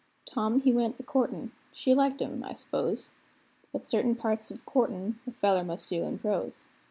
Tom he went a courtin'; she liked him, I suppose; But certain parts of courtin' a feller must do in prose.